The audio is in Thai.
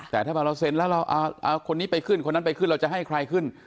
แต่ถ้าพอเราเซ็นแล้วเราเอาคนนี้ไปขึ้นคนนั้นไปขึ้นเราจะให้ใครขึ้น